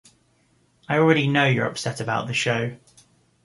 I already know you’re upset about the show.